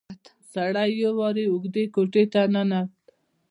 سړی يوې اوږدې کوټې ته ننوت.